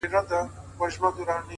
• څنگه دي زړه څخه بهر وباسم؛